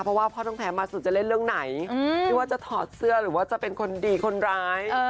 เพราะว่าพ่อต้องแพ้มาสุดจะเล่นเรื่องไหนไม่ว่าจะถอดเสื้อหรือว่าจะเป็นคนดีคนร้าย